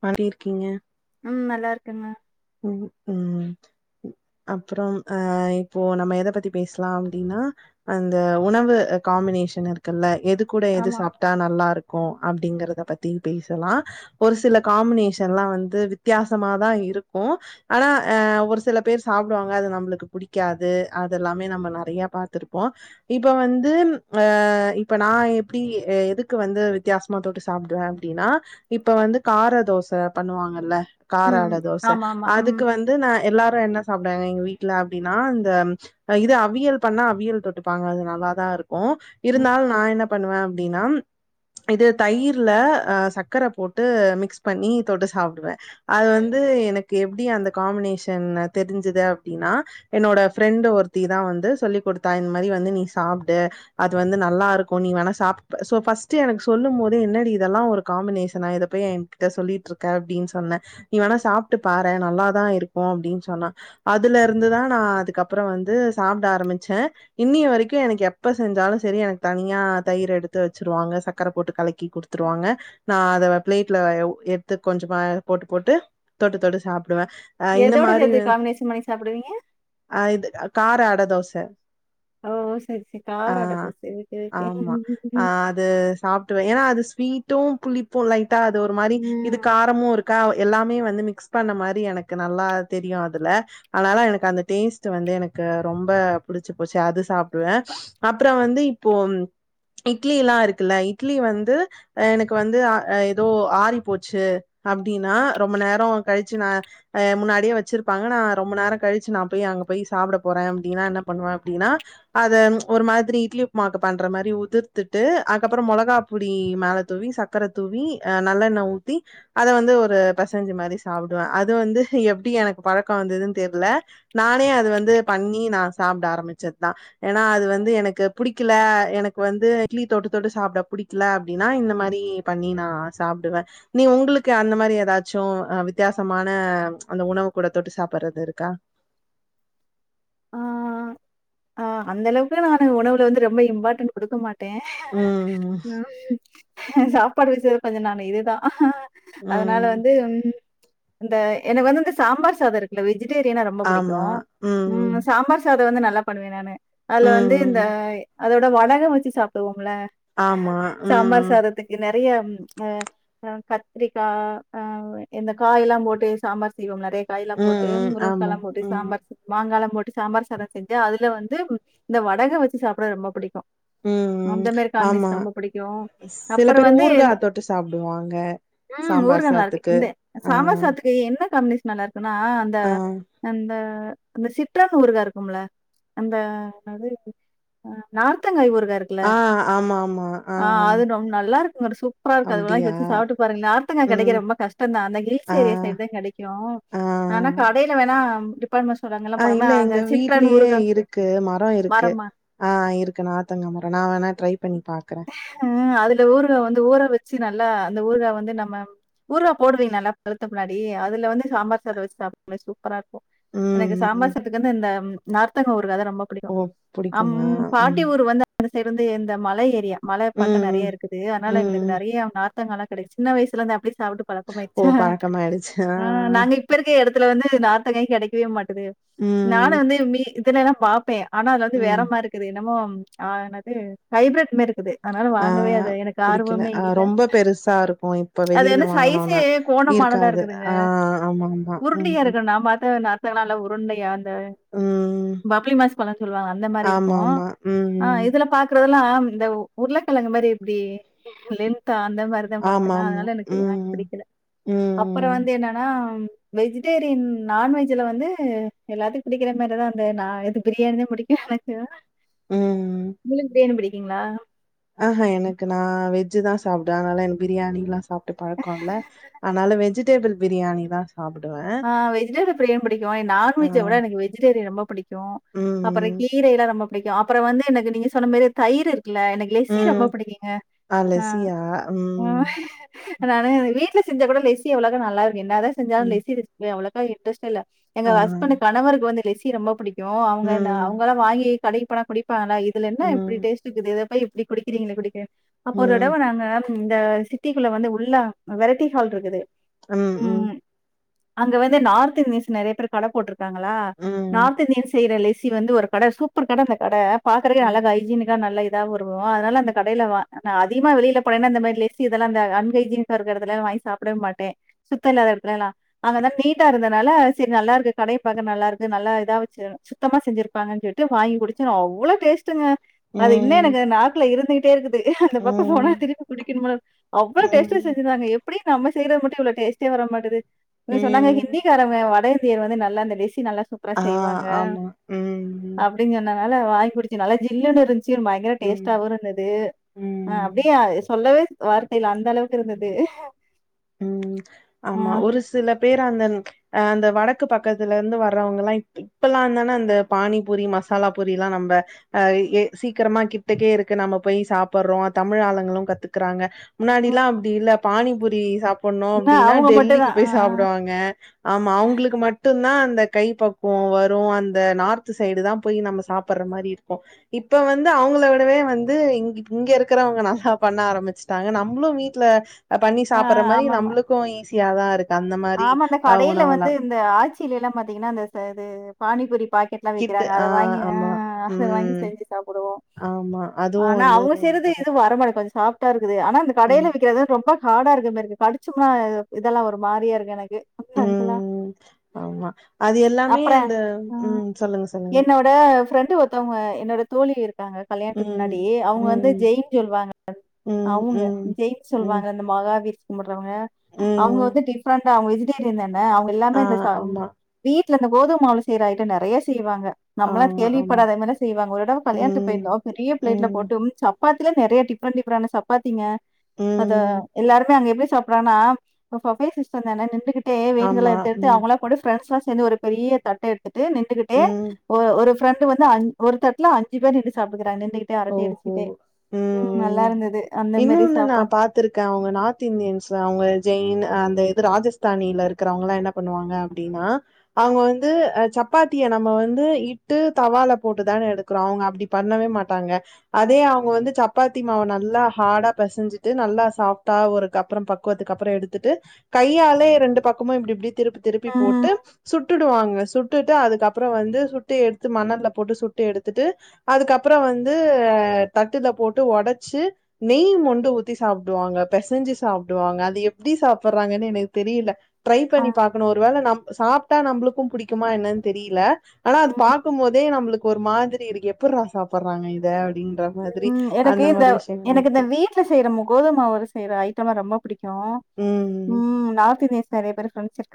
மாரிருக்கீங்க ம் நல்லா இருக்குங்க உம் உம் அப்புறம் அஹ இப்போ நம்ம எதை பத்தி பேசலாம் அப்படின்னா அந்த உணவு காம்பினேஷன் இருக்குல்ல எது கூட எது ஆமா. சாப்பிட்டா நல்லா இருக் இருக்கும் அப்படிங்கறத பத்தி பேசலாம் ஒரு சில காம்பினேஷன் எலாம் வந்து வித்தியாசமாதான் இருக்கும் ஆனா அஹ ஒரு சில பேர் சாப்பிடுவாங்க அது நம்மளுக்கு பிடிக்காது அததுெல்லாமே நம்ம நிறைய பாத்திருப்போம் இப்ப வந்து அஹ இப்ப நான் எப்படி எதுக்கு வந்து வித்தியாசமா தொட்டு சாப்பிடுவேன் அப்படின்னா இப்ப வந்து கார தோசை பண்ணுவாங்கல்ல கார ம். அட தோசை ஆமா, ஆமா. ம், அதுக்கு வந்து நான் எல்லா என்ன சாப்பிடுாங்க எங்க வீட்டுல அப்படின்னா இந்த இது அவியல் பண்ணா அவியல் தொட்டுப்பாங்க அது நல்லா தான் இருக்கும் ம். இருந்தால நான் என்ன பண்ணுவேன் அப்படின்னா இது தயிர்ல சர்க்கரை போட்டு மிக்ஸ் பண்ணி தொட்டு சாப்பிடுவேன் அது வந்து எனக்கு எப்டி அந்த காம்பினேஷன் தெரிஞ்சுது அப்படின்னா என்னோட ஃப்ரெண்ட் ஒருத்திதான் வந்து சொல்லி கொடுத்தா இது மாதிரி வந்து நீ சாப்பிடு அது வந்து நல்லா இருக்கும் நீ வேணா ஃபர்ஸ்ட் எனக்கு சொல்லும் போதே என்னடி இதெல்லாம் ஒரு காம்பினேஷனா இத போய் என்கிட்ட சொல்லிட்டு இருக்க அப்படின்னு சொன்ன நீ வேணா சாப்புட்டு பாறேன் நல்ல தான் இருக்கும் அப்படின்னு சொன்னா அதுல இருந்துதான் நான் அதுக்கப்புறம் வந்து சாப்பிட ஆரம்பிச்சேன் இன்னி வரைக்கும் எனக்கு எப்ப செஞ்சாலும் சரி எனக்கு தனியா தயிரை எடுத்து வச்சிருவாங்க சர்கக்கரை போட்டு கலக்கி குடுத்துருவாங்க நான் அத பிளேட்ல எடுத்து கொஞ்சமா போட்டு போட்டு தொட்டு தொட்டு சாப்பி டுவேன் இந்த எதோட மாதிரி் சேர்த்து காம்பினேஷன் பண்ணி சாப்பிடுவீங்க? இது கார அட தோசை ஓ! சரி, சரி. கார அட ஆஹ தோசை. Okay, okay. ஆமா ஆஹ அது சாப்பிட்டுவேன் ஏன்னா அது ஸ்வீட் டோம் புலளிப்பும் லைட் டா அது ஒரு மாதிரி இது ம். காரமும் இருக்கா எல்லாமே வந் மிஸ் பண்ண மாதிரி எனக்கு நல்ல தெரியும் அதுல அதனால எனக்கு அந்த டேஸ்ட் வந்து எனக்கு ரொம்ப புடிச்சு போச்சு அது சாப்பிடுவேன் அப்புறம் வந்து இப்போ இட்லி எல்லாம் இருக்குல்ல இட்லி வந்து எனக்கு வந்து ஏதோ ஆறி போச்சு அப்படின்னா ரொம்ப நேரம் கழிச்சு நான் முன்னாடியே வச்சிருப்பாங்க நான் ரொம்ப நேரம் கழிச்சு நான் போய் அங்க போய் சாப்பிட போறேன் அப்படின்னா என்ன பண்ணுவேன் அப்படின்னா அத ஒரு மாதிரி இட்லி உப்புமாக்கு பண்ற மாதிரி உதிர்த்துட்டு அதுக்கப்புறம் மிளகா பொடி மேல தூவி சர்க்கரை தூவி நல்லெண்ணெய் ஊத்தி அதை வந்து ஒரு பெசஞ்ச மாதிரி சாப்பிடுவேன் அது வந்து எப்படி எனக்கு பழக்கம் வந்ததுன்னு தெரியல நானே அது வந்து பண்ணி நான் சாப்பிட ஆரம்பிச்சதுதான் ஏன்னா அது வந்து எனக்கு பிடிக்கல எனக்கு வந்து இட்லி தொட்டு தொட்டு சாப்பிட புடிக்கல அப்படின்னா இந்த மாதிரி பண்ணி நான் சாப்பிடுவேன் நீ உங்களுக்கு அந்த மாதிரி ஏதாச்சும் வித்தியாசமான அந்த உணவு கூட தொட்டு சாப்பிடுறது இருக்கா ஆஹ அந்த அளவுக்கு நானு உணவுல வந்து ரொம்ப இம்பார்ட்டன்ட் கொடுக்க மாட்டே டேன் ம். ஆஹ ஆஹ உம் சாப்பாடு வச்சது கொஞ்சம் நானு இதேதான் அதனால ம். வந்து உம் அந்த எனக்கு வந்து இந்த சாம்பார் சாதம் இருக்குல்ல வெஜி டெரியனா ரொம்ப ஆமா. பிடிக்கும் ம். உம் சாம்பார் சா வந்து நல்லா பண்ணுவேன் நானு அதுல வந்து இந்த ம். அதோட வடகம் வச்சு சாப்பிடுவோம் ல ம்கும் ஆமா. சாம்பார் ம். சாதத்துக்கு நிறைய கத்திரிக்காய் இந்த காய் எல்லாம் போட்டு சாம்பார் செய்வோம் நிறைய காய்லாம் போட்டு ம். ஆமா. முருக்கலாம் போட்டு ம். சாம்பார் மாங்காலம் போட்டு சாம்பார் சாதம் செஞ்சு அதுல வந்து இந்த வடகம் வச்சு சாப்பிட ரொம்ப பிடிக்கும் ம். அந்த மாரி ஆமா. காம்மினேஸ் ரொம்ப பிடிக்கும் சில அப்புறம் பேரு வந்து ஊறுகா தொட்டு சாப்பிடுவாங்க. உம் சாம்பார் ஊர்கா நல்லா இருக்கு சாத்துக்கு. இந்த ஆ. சாம்பார்சாததுக்கு என்ன காம்னேஸ் நல்லா இருனா அந்த ஆ. அந்த அந்த சிட்றன் ஊருகா இருக்கும்ல அந்த என்னது நார்த்தங்காய் ஊருகா இருகுல ஆ. ஆமாமா. ஆ. ஆஹ அது நல்லா இருக்கும் சூப்பரா இருக்கும் இது அப்டியா? வாங்கிவச்சி சாப்பிட்டு பாருங்க நார்த்தங்கா ம். கிடைக்க ரொம்ப கஷ்டம் தான் ஆனா ஆ. இசியா ஏன் சைடு தான் கிடைக்கும் ஆ. ஆனா கடையில வேணா டிப்பட் மெண்ட்ஸ்டோர் அங்கல்லம் ஆ போன இல்ல அந்த எங்க சிற்றன் வீட்லயே ஊருக்கா இருக்கு மரம் இருக்கு ஹ இருக்கு நார்த்தங்க மரம் நான் வேணா ட்ரை பண்ணி பா இருக்குறேன் ஹம் அதுல ஊருகாய வந்து ஊற வச்சு நல்லா அந்த ஊருகா வந்து நம்ம ஊருகா போடுவீங்க நல்லா பழுத்த பின்னாடி அதுல வந்து சாம்பார் சாதம் வச்சு சாப்ட சூப்பர இரு எனக்கு ம் ம் சாம்பார் சாதத்துக்கு வந்து இந்த நார்த்தங்க ஊ ருகா தான் ரொம்ப ஓ பிடிக்கும் புடிக்குமா? பாட்டி ம் ஊர் வந்த அந்தசைட் சேர்ந்து இந்த மலை நிறைய மழை ம் பார்க்க நிறைய ம் இருக்குது அதனால ம் எங்களுக்கு ம் நிறைய நார்தங்கள்ல கிடைக்கும் சின்ன வயசல இருந்து அப்படி சாப்ட்டு ஓ பழக்கமயிடுச்சா பழக்கமாயிடுச்சு ஆ ஆஹ நாங்க இப்ப இருக்க இடத்துல வந்து நார்தங்காய் கிடைக்கவே மாட்டே நானு ம் வந்து மி இதுலதன் பாப்பேன் ஆனா அது வந்து வேற ம் மாரி இருக்குது என் னமோ ஹைபிரேட் மாரிருக்கு அதனால ஆ வாங்கவே அது எனக்கு புடிக்கல ஆர்வமே ஆ இல்ல ரொம்ப பெருசா இருக்கு இப்ப அது வெளியில வந்துசைஸே வாங்கனோன்னா கோணமானலா இருக்காது இருக்குதுங்க ஆ ஆமா ஆமா உருட்டா ம் ம் இருக்கு நான் பாத்த நல்லா உருண்டையா ம் பம்புளி மாஸ்பழம் சொல்லுவாங்க அந்த மாதிரி இருக்கும் ஆமாமா அஹ ம் இதுல பாரக்குறது எல்லாம் இந்த ஒ உருளகெழங்கு மாரி எப்படி லென்தா அந்த மாரிதான் பாத்தன ஆமாமா அதனால எனக்கு வாங்க ம் புடிக்கல ம் அப்புறம் வந்து ம் என்னன்னா வெஜிடேரியன் நான்வெஜ்ல வந்து எல்லாத்துக்கும் பிடிக்கிற மாரிதான் வந்த நான் எது பிரியாணிதான் புடிக்கும் எனக்கும் முழுங்குறேன் படி இருக்கீங்களா ஆஹஹா எனக்கு நான் வெஜி வெஜ்தா சாப்ட அதனால எனக்கு பிரியாணிலாம் சாப்ட்டு பழக்கம் இல்ல அதனால வெஜிடேபிள் பிரியாணி தான் சாப்பிடுவேன். ஆ வெஜிடேரியரி அப்டினு புடிக்கும் ஆ. நான்வெஜை விட எனக்கு வெஜிடேரிய ரொம்ப க்கும் அப்புறம் ம். கீரயல நம்ம பிடிக்கும் அப்பறம் வந்து எனக்கு நீங்க சொன்ன மாரி தயிர் எனக்கு லெஸி ரொம்ப ம். பிடிக்குங்க ஆ அலசியா? ம். நான வீட்ல செஞ்ச கூட லெசி அவ்வளவா நல்ல இரு என்னதான ம். செஞ்சாலும் அவளுக்கா இன்ரஸ்ட இல்ல எங்க ஆ. ஸ்பன் கணவருக்கு வந்து லெஸி ரொம்ப புடிக்கும் அவங்க என் ம். அவங்கலலாம் வாங்கி தடைப்படக்கடிய ஆா இதுல என்ன எப்டி ம். டேஸ்ட் இருக்குது இப்ப குடிக்கிறீங்களா குடிக்க அப்ப ஒரு ம். தடவ நாங்க இந்த சிட்டிக்குள்ள வந்து உள்ள வெரைட்டி ஹால் இருக்குது உம் உம் ம். அங்க வந்து நார்த் இந்தியன்ஸ் நெறைய பேர் கட போட்டிருக்கு இருக்காங்களா ம். நார்த் இந்தியன் செயிற ி வந்து ஒரு கட சூப்பர் கட அந்த கட பாக்குறக்கக்கு ம். அழக அஐஜினா நல்ல [unintelligible] அதனால அந்த ம். கடயில வா நான் அதிகமா வெளில போனேன்னா அ மாதிரி லெஸி இதெல்லாம் அன் கைஜீன்ஸ் இருக்க இடத்துலல்லாம் வாங்கி சாப்பிடவே மாட்டேன் சுத்தம் இல்லாத இடத்துலலாம் அங்கதான் நீட்டா இருந்தனால செரி நல்லா இருக்கு கடய பாக்கற நல்லா இருக்கு நல்லா இதா வச்சி சுத்தமா செஞ்சிருப்பாங்க சொல்லிட்டு வாங்கி குடிச்சே அவ்ளோ டேஸ்ட்டுங்க அது இன்ன ம். எனக்கு நாக்ல இருந்த தேது அந்த பக்கம் போனா ம். திரப்பி குடிக்கண அவ்ளோ டேஸ்டா ம். செஞ்சந்தாங்க எப்டி நம்ம செய்ற மட்டும் இ்வளோ ஸ்ட்டே வரமாட்து நீ சொன்னாங்க ம். ஹிந்திகாரங்க வட ர் வந்து நல்லா அந்த லெசி நல்லா சூப்பரா ஆ. செய்வாங்க ஆமா. ம். அப்டின்னு சொன்நாங் வாங்குடிச்சு நல்ல ஜில்லுன்னு இருந்து சச்ச பயங்கர ம். டேஸ்ட்டாவவும் இருந்தது அ ம். அப்டியே சொல்லவே வார்தையில அந்த அளவுக்கு இருந்தது ம் ஆ ஆமா ஒரு சில பேர் அந்த அ அந்த வடக்கு பக்கத்துல இருந்து வர்றவங்க எல்லாம் இப்பெல்லாம்தானே அந்த பானிபூரி மசாலா பூரி எல்லாம் நம்ம அஹ சீக்கிரமா கிட்டக்கே இருக்கு நம்ம போய் சாப்படுறோம் தமிழ் ஆலுங்களும் கத்துக்கறாங்க முன்னாடி எல்லாம் அப்டி இல்ல பானிபூரி போணோம் ஆனா அப்படின்னா அவங்க மட்டும் டெல்லிக்கு தான். ஆ போய் சாப்பிடுவாங்க ஆமா அவங்களுக்கு மட்டும் அந்த கை பக்குவம் வரும் அந்த நார்த் சைடு தான் போய் நம்ம சாப்படுற மாதரி இருக்கும் இப்ப வந்து அவங்கள விடவே வந்து இங்க இங்க இருக்கிறவங்க நல்லா பண்ண ஆரம்பிச்சுட்டாங்க நம்மளும் வீட்டு்ல அதான் நீ சாப் ஆ அப்புற மாரி ஆமாமா. நம்மளுக்கும் இசி யா இருக்கு அந்த மாரி ஆமா அந்த அ கடையில உணவுலா வந்து இந்த ஆச்சி ல்லாம் பாத்தீங்கன்னா பானிபூரி பாக்கெட் எல்லாம் கிட்டு விக்கிறாங்க அத ஆ வாங்கி ஆமா அத வாங்கி ம் செஞ்சு சாப்படுவோம் ஆமா அதுவு ஆனா வந்து அவுங்க செய்ரது நல்லதா எதுவும் வர மாட்டியும் கொஞ்சம் சா ஆனா இந்தந்த கடயில் ம் விறக்கிறது ரொம்ப ஹாடா இருக்கு மா இருக்கு கடிச்சோம்னா இதெல்லாம் ஒரு மாரியா இருக்கு ங்களா ம் ஆமா அது எல்லாமே அப்பும் அந்த ஆ ம் சொல்லுங்க சொல்லுங்க என்னோட ஃப்ரெண்டு ஒருத்தவங்க என்னோட தோழி இருக்காங்க கல்யாணத்துக்கு ம் முன்னாடி அவங்க வந்து ம் ஜெயின் சொல்லுவாங்க ம் அவங்க ம் ஜெயின் ம் சொல்லுவாங்க அந்த மகாவீர் கிரவுங்க அவங்க ம் வந்து டிப் நான் வெஜிடேரியன் தான் அவுங்க எல்லாமே ஆ இந்த ஆமா வீட் இல இந்த கோது மாவு செய்றா அயிடம் நெறைய செய்வாங்க ஆ நம்மளாம் ஆமா கேவிப்படாத மாரிலாம் செய்வாங்க ஒரு தடவ கல்யாணத்து ம் போயிருந்தோம் பெரிய பிளேட்ல ம் போட்டு சா சப்பத்தில நெறைய டிஃப்ரொண்டா டிஃப்ரோண்டான சப்பத்திங்க அத ம் எல்லாருமே அங்க எப்டி சாப்பறானா ப ப்ஃவே சொன்ன நின்னுட்டு தேவங்கிரது ஆமா எத்துடுத்து ம் அவங்களா கூட பிரண்ஸா இது ஒரு பெரிய தட்ட எடுத்து ட்டு நின்டுகிட்டே ம் ஒரு ப்ஃரெண்டு வந்து ஒரு தட்டல அஞ்சு பேர் இடி சாப்படுக்குறாங்க ஓஹோ உம் உ நல்லா இருந்தது. அந்த மாரி இன்னொன்னு நான் சாப்பாடு. பாத்திருக்கேன் அவங்க நார்த் இந்தியன்ஸ்ல அவங்க ஜெயின் அந்த ராஜஸ்தானியில இருக்குற வங்க எல்லாம் என்ன பண்ணுவாங்க அப்படின்னா அவுங்க வந்து சப் சப்பாத்தியை நம்ம வந்து இட்டு தவல போட்டு தான் எடுக்கிறோம் அவுங்க அப்டி பண்ணவே மாட் இருப்பாங்க அதே அவங்க வந்து சப் ச சப்பாத்தி மாவ நல்லா ஹார்டா பிசஞ்சிட்டு நல்லா சாஃப்டா ஒருக்கப்பறம் பக்குவத்துக்கு அப்பறம் எடுத்துட்டு கையாலே ரெண்டு பக்கமும் இப்டி இப்டி திருப்பி திருப்பி ம். போட்டு ம், சுட்டு சுட்டுடுவாங்க சுட்டுட்டு அதுக்கப்பறம் வந்து சுட்டு எடுத்து மணல போட்டு சுட்டு எடுத்துட்டு அதுக்கப்பறம் அப்பறம் வந்த தட்டுல போட்டு உடைச்சு நெய் மொண்டு ஊத்தி சாப்படுவாங்க பெசைஞ்சு சாப்படுவாங்க அது எப்டி சாப்படுறாங்கன்னு எனக்கு தெரியல ட்ரை பண்ணி பாக்கணும் ஒரு வேள நம் சாப்பிட்டா நம்மளுக்கும் பிடிக்குமா என்னானு தெரியல ஆனா அது ஆ. பாக்கும்போதே நம்மளுக்கு ஒரு மாதிரி இருக்கு எப்புரா சாப்பு போடுறாங்க இத அப்படினு உம் எனக்கு இந்த எனக்கு இந்த வீட்டுல செய்யற கோதும மாவுல செய்யற ஐட்டம்லா ரொம்ப பிடிக்கும் [inaudible] ம் நார்த் இந்தியன் நெறைய பேரு பிரண்ட்ஷிப்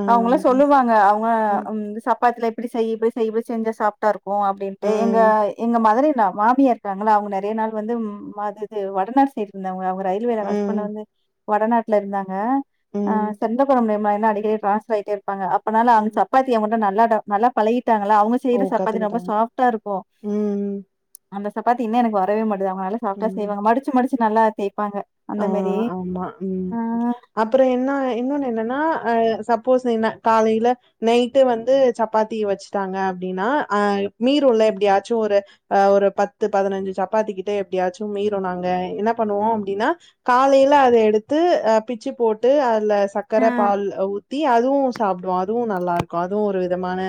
ஆ. அவங்களாம் சொல்லுவாங்க அவங்க ம். இந்த சாப்பாட்டுல இப்டி செய் இப்டி இப்டி செஞ்ச சாஃப்டா இருக்கும் ஓ அப்டின்ட்டு எங்க ம். இந்த மாரி சமாமப் இருக்காங்களா அவங்க நெறைய நாள் வந்துது வடநாடு சைடு இருந்தவங்க அவங்க டேய்லியும் ம். என் ஹஸ்பெண்ட் ம். வந்து வடநாட்டுல இருந்தாங்க ஆ ம். செந்த குழம் [inaudible] அடிக்கடி டிரான்ஸ்பர் ஆயிட்டு அப்பனால அவங்க ம். சப்பாத்தி நல்லா டா நல்லா பழகி அதனால அவங்க ஓ! செய்யற சப்பாத்தி ரொம்ப கத்துக்கிட்டாங்க. சாஃப்டா இருக்கும் ம். அந்த சப்பாத்தி இன்ன எனக்கு வரவே மாட் அவங்க மாரி செட்டஸ் ம். செய்வங்க மடிச்சி மடிச்சி நல்லா டேஸ்ட்டு ஆ ஆமா உம் அப்பறம் என்ன இன்னொன்னு என்னானா அ சப்போஸ் என்ன காலையில நைட்டு வந்து சப்பாத்தி வச்சுட்டாங்க அப்டின்னா அ மீறும்ள எப்டியாச்சும் ஒரு ஒரு பத்து பதினஞ்சு சப்பாத்தி கிட்ட எப்டியாச்சும் மீரூனாங்க என்ன பண்ணுவோம் அப்டின்னா காலையில அத எடுத்து அ பிச்சு போட்டு அதுல சர்க்கர ஆ பால் ஊத்தி அதுவும் சாப்படுவோம் அதுவும் நல்லா இருக்கும் அதுவும் ஒரு விதமான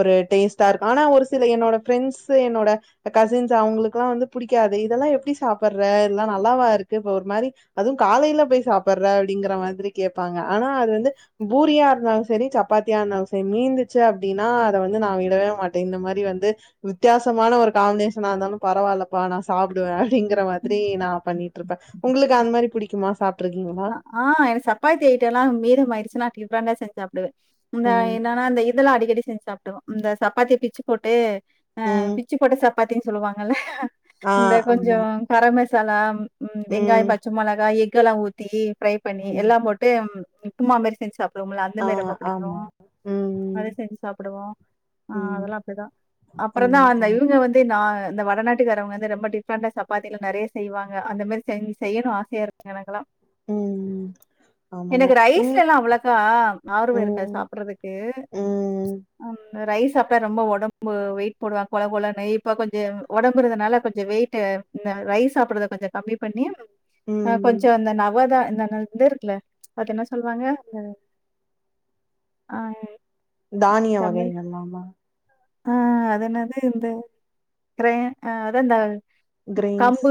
ஒரு டேஸ்ட்டா இருக்கும் ஆனா ஒரு சில என்னோட ரெண்ட்ஸ் என்னோட கசின்ஸ் அவங்களுக்குலாம் வந்து பிடிக்காது இதெல்லாம் எப்டி சாப்படுற இதெல்லாம் நல்லாவா இருக்கு இப்ப ஒரு மாரி அதுவும் காலையில போய் சாப்படுற அப்டிங்கிற மாரி கேட்பாங்க ஆனா அது வந்து பூரியா இருந்தாலும் சரி சப்பாத்தியா இருந்தாலும் சரி மீந்துச்சு அப்டின்னா அத வந்து நா விடவே மாட்டே இந்த மாரி வந்து வித்தியாசமான ஒரு காம்பினேஷனா இருந்தாலும் பரவாயிலப்பா நா சாப்படுவேன் அப்டிங்கற மாரி நான பண்ணிட்டு இருக் ப உங்களுக்கு அந்த மாரி புடிக்குமா சாப் ஆ ஆ எனக்கு சப்பாத்தி ஐட்டம் லாம் மீறம் ஆயிடுச்சுன்னா டிபன்ன செஞ் ஆப்டு இந்த ம். என்னன்னா அந்த இதெல்லாம் அடிக்க டி செஞ்சு சாப்படுவோம் இந்த சப்பாத்திய பிச்சு போட்டு ஆ ம். பிச்சு போட்ட ச பாத்தீங்கு சொல்லுவாங்கல்ல ஆ இந்த ஆமா. கொஞ்சம் கரமச சலா உம் வெங்காய ம். பச்சமொளகா இஞ் கலாம் தே ப்ரை பண்ணி ம். எல்லாம் போட்டு உப்புமா மாரி செஞ்சுத் சாப்டுவோம்ல அந்த ஆ மாரி ரொம்ப ஆமா. பிடிக்கும் ம். அத செஞ்சு சாப்படுவோம் ஆ ம். அதெல்லாம் அப்டிதான் அப்புற ம். தான் அந்த ஆ. இவங்க வந்து ந இந்த வடநாட்டுக்காரவங்க வந்து ரொம்ப டிஃப்ரெண்டா சப்பாத்தில நெறைய செய்வாங்க அந்த மாரி செய்யன் செய்யணும் ஆசையா இருக்கு எனக்கலாம் ம். ஆமாங்க. எனக்கு இன் ரைஸ்ல எல்லாம் அவ்வளோக்கா ஆர்வம் இருக்காது ம். சாப்படுறதுக்கு ம். ம் ரைஸ் சாப்பட்டா ரொம்ப உடம்பு வெயிட் போடுவா கொழ கொழன்னாயி இப்ப கொஞ்சம் உடம்புறதுனால கொஞ்சம் வெயிட் ரைஸ் சாப்படுறதை கொஞ்சம் கம்மி பண்ணி ஆ ம். கொஞ்சம் அந்த ந இதான் இந்தந்து இருக்குல பாத்தீ என்ன சொல்லுவாங்க அ ஆ தானியம் வகைகள்லாமா ஆ அதுனது எந்த கிர ஆ அதுதந்த கிரெயின்ஸ் கம்பு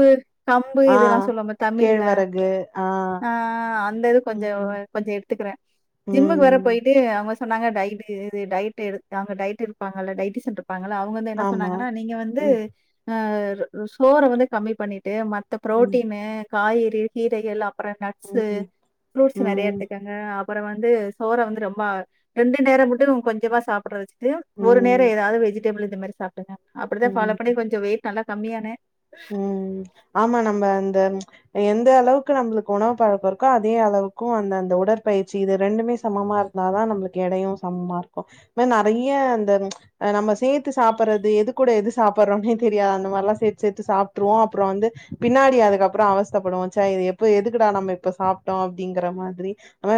கம்பு ஆ இதெல்லாம் சொல்வோம்ல தமிழ்ல ஆ அந்த இது கொஞ்சம் ம் கொஞ்சம் எடுத்துக்கிறேன் ஜிம்முக்கு வேற ம் போயிட்டு அவங்க சொன்னாங்க டயட் எடு டயட்டு எடு அவங்க டைட் இருப்பாங்க டைடு சென் ப்பாங்கள அவங்க வந்து என்ன ஆமா சொன்னாங்கன்னா நீங்க வந்து ம் ஆ சோற வந்து கம்மி பண்ணிட்டு மத்த ம் ப்ரோட்டீனு காய்கறி யெல்லாம் அப்பறம் நட்ஸு ம் ஃப்ரூட்ஸ் நெறைய ம் எடுத்துக்கங்க அப்பறம் வந்து சோற வந்து ரொம்ப ரெண்டு நேரம் மட்டும் கொஞ்சமா சாப்பி ஒரு ம் நேரம் ஏதாவது வெஜிடபில் இந்த மாரி சாப் அப்டிதான் ம் ஃபாலோ பண்ணி கொஞ்சோம் வெயிட் நல்லா கம்மியான ம் ஆமா நம்ம அந்த எந்த அளவுக்கு நம்மளுக்கு உணவு பழக்கம் இருக்கோ அதே அளவுக்கும் அந்த அந்த உடற்பயிற்சி இது ரெண்டுமே சமமா இருந்தாதான் நம்மளுக்கு எடையும் சமமா இருக்கும் ம நெறைய அந்த நம்ம சேத்து சாப்றது எது கூட எது சாப்பிடுறோம்னே தெரியாது அந்த மாரிலாம் சேத்து சேத்து சாப்ட்ருவோம் அப்புறோம் வந்து பின்னாடி அதுக்கப்புறோம் அவச்தப்படுவோ ச இது எப்ப எதுக்குடா நம்ம இப்ப சாப்ட்டோம் அப்டிங்கிற மாரி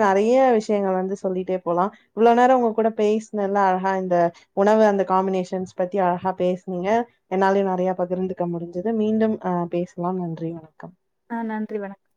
நெறைய விஷயங்கள் வந்து சொல்லிட்டே போலாம் இவ்ளோ நேரோம் உங்க கூட பேசினதுல்ல அழகா இந்த உணவு அந்த காம்பினேஷன்ஸ் பத்தி அழகா பேசுனீங்க என்னாலயும் நெறைய பகிர்ந்து இங்க முடிஞ்சது மீண்டும் ஹ பேசலாம் நன்றி வணக்கம் ஆ நன்றி வணக்கம்